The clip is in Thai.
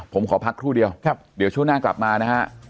ผมขอพักครู่เดียวเดี๋ยวช่วงหน้ากลับมานะฮะ